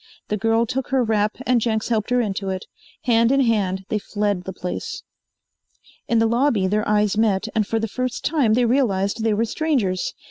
The girl took her wrap and Jenks helped her into it. Hand in hand they fled the place. In the lobby their eyes met, and for the first time they realized they were strangers.